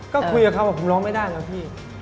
ก็คุยกับเขาบอกว่าผมร้องไม่ได้แล้วพี่